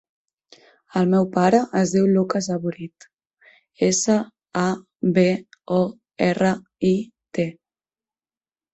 El meu pare es diu Luka Saborit: essa, a, be, o, erra, i, te.